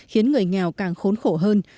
khiến người nghèo càng khốn khổ hơn